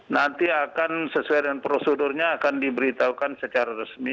nanti akan sesuai dengan prosedurnya akan diberitahukan secara resmi